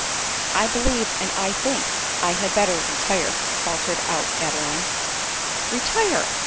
" I believe, I think I had better re tire," faltered out Adeline. " Retire